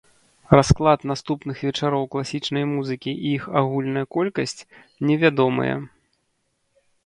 Расклад наступных вечароў класічнай музыкі і іх агульная колькасць невядомыя.